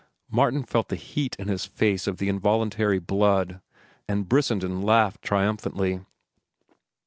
Martin felt the heat in his face of the involuntary blood, and Brissenden laughed triumphantly.